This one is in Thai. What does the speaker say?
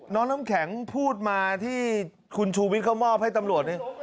น้ำแข็งพูดมาที่คุณชูวิทย์เขามอบให้ตำรวจนี่